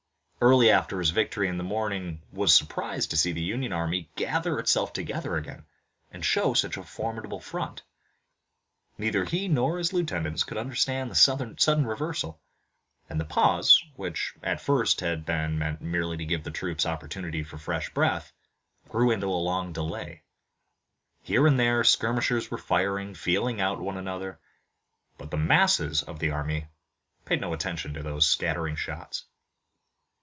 Early after his victory in the morning was surprised to see the Union army gather itself together again and show such a formidable front. Neither he nor his lieutenants could understand the sudden reversal, and the pause, which at first had been meant merely to give the troops opportunity for fresh breath, grew into a long delay. Here and there, skirmishers were firing, feeling out one another, but the masses of the army paid no attention to those scattered shots.